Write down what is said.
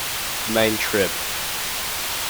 The main Trib.